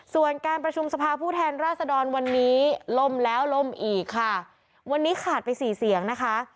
ส่วนการประชุมสภาผู้แทนราษดรวันนี้ลมแล้วลมอีกค่ะวันนี้ขาดไปสี่เสียงนะคะ